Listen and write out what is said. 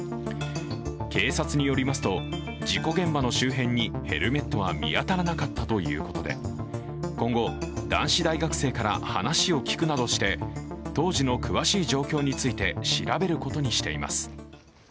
警察によりますと、事故現場の周辺にヘルメットは見当たらなかったということで今後、男子大学生から話を聞くなどして当時の詳しい状況について調べることにしています。